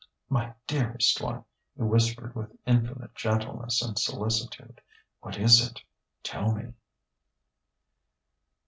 "My dearest one!" he whispered with infinite gentleness and solicitude. "What is it? Tell me."